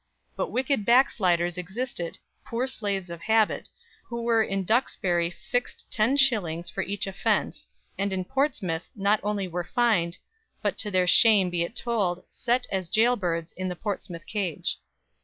But wicked backsliders existed, poor slaves of habit, who were in Duxbury fixed 10s. for each offence, and in Portsmouth, not only were fined, but to their shame be it told, set as jail birds in the Portsmouth cage.